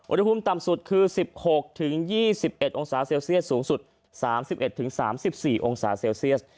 อุณหภูมิต่ำสุดคือ๑๖๒๑องศาเซลเซียสสูงสุด๓๑๓๔องศาเซลเซียส